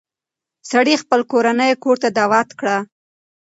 سړي خپله کورنۍ کور ته دعوت کړه.